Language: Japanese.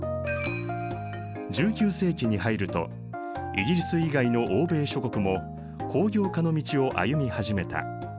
１９世紀に入るとイギリス以外の欧米諸国も工業化の道を歩み始めた。